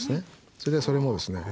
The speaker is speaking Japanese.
それでそれもですね